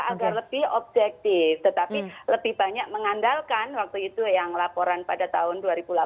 agar lebih objektif tetapi lebih banyak mengandalkan waktu itu yang laporan pada tahun dua ribu delapan belas